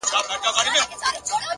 هره لاسته راوړنه له باور زېږي.